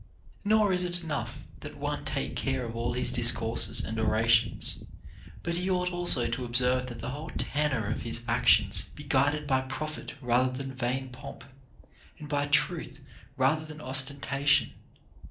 Nor is it enough that one take care of all his dis courses and orations ; but he ought also to observe that the whole tenor of his actions be guided by profit rather than vain pomp, and by truth rather than ostentation.